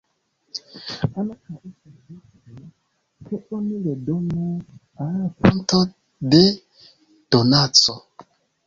Ankaŭ, estas dece, ke oni redonu al fonto de donaco.